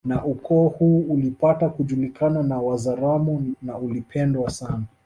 Na ukoo huu ulipata kujulikana na Wazaramo na ulipendwa sana